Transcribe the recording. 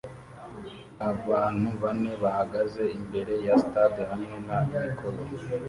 Abantu bane bahagaze imbere ya stade hamwe na mikoro